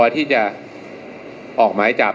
ที่จะออกหมายจับ